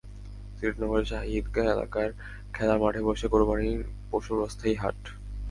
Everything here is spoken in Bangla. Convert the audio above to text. সিলেট নগরের শাহি ঈদগাহ এলাকার খেলার মাঠে বসে কোরবানির পশুর অস্থায়ী হাট।